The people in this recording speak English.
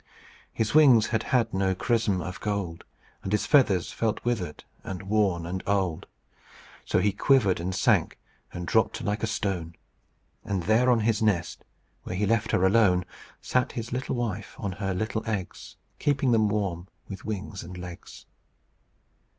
"His wings had had no chrism of gold, And his feathers felt withered and worn and old; So he quivered and sank, and dropped like a stone. And there on his nest, where he left her, alone, Sat his little wife on her little eggs, Keeping them warm with wings and legs.